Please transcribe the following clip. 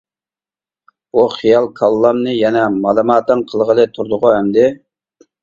بۇ خىيال كاللامنى يەنە مالىماتاڭ قىلغىلى تۇردىغۇ ئەمدى؟ .